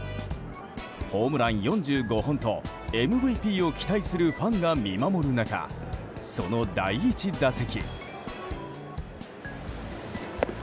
ホームラン４５本とＭＶＰを期待するファンが見守る中その第１打席。